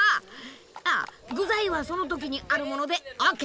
具材はその時にあるものでＯＫ！